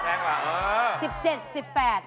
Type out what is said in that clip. ๑๘แทงหรอ